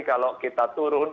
kalau kita turun